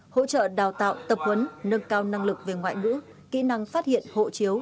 hỗ trợ đào tạo tập huấn nâng cao năng lực về ngoại ngữ kỹ năng phát hiện hộ chiếu